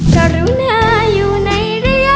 การุณาอยู่ในระยะของความคิดถึง